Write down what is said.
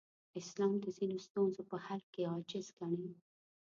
اسلام د ځینو ستونزو په حل کې عاجز ګڼي.